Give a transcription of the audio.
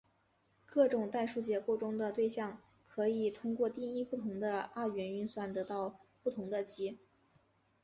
各种代数结构中的对象可以通过定义不同的二元运算得到不同的积。